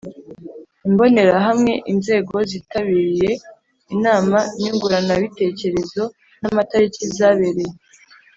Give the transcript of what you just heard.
Imbonerahamwe inzego zitabiriye inama nyunguranabitekerezo n amatariki zabereye